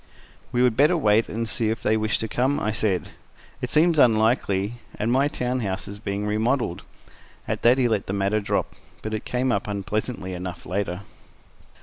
"We would better wait and see if they wish to come," I said. "It seems unlikely, and my town house is being remodeled." At that he let the matter drop, but it came up unpleasantly enough, later.